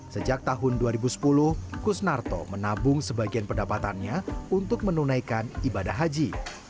sejak tahun dua ribu sepuluh kusnarto menabung sebagian pendapatannya untuk menunaikan ibadah haji